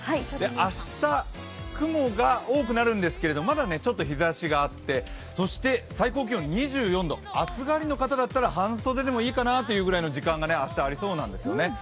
明日、雲が多くなるんですけれど、まだ日ざしがあってそして最高気温２４度、暑がりの方だったら半袖でもいいかなという時間が明日、ありそうなんですよね。